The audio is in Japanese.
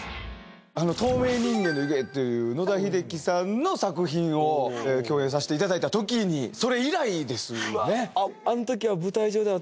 『透明人間の蒸気』っていう野田秀樹さんの作品を共演させていただいたときにそれ以来ですよね。